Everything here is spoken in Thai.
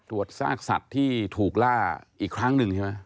ซากสัตว์ที่ถูกล่าอีกครั้งหนึ่งใช่ไหม